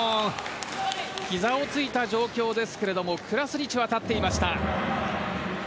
ひざをついた状況ですがクラスニチは立っていました。